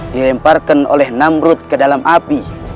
dilemparkan oleh namrut ke dalam api